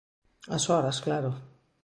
As horas, claro.